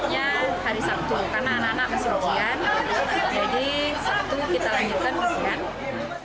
ketika hari sabtu karena anak anak masih berhubungan jadi sabtu kita lanjutkan bersih bersih